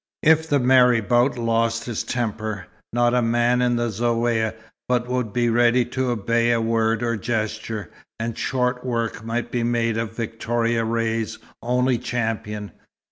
If the marabout lost his temper, not a man in the Zaouïa but would be ready to obey a word or gesture, and short work might be made of Victoria Ray's only champion.